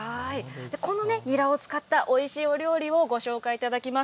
このニラを使ったおいしいお料理をご紹介いただきます。